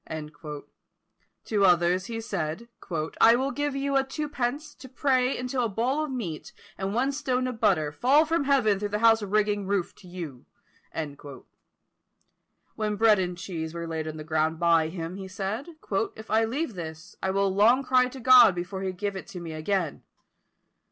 To others he said, "I will give you a two pence, to pray until a boll of meal, and one stone of butter, fall from heaven through the house rigging (roof) to you." When bread and cheese were laid on the ground by him, he said, "If I leave this, I will long cry to God before he give it me again."